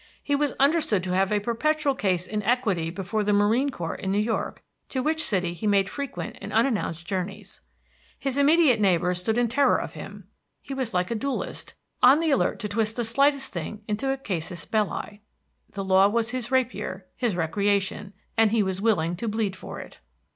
He was understood to have a perpetual case in equity before the Marine Court in New York, to which city he made frequent and unannounced journeys. His immediate neighbors stood in terror of him. He was like a duelist, on the alert to twist the slightest thing into a casus belli. The law was his rapier, his recreation, and he was willing to bleed for it.